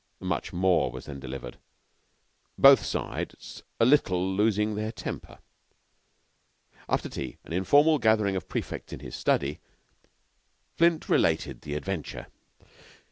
Much more was then delivered, both sides a little losing their temper. After tea, at an informal gathering of prefects in his study, Flint related the adventure.